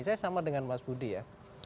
saya sama dengan mas budi ya